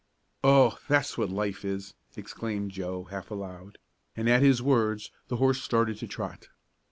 "Oh! that's what life is!" exclaimed Joe, half aloud, and at his words the horse started to trot.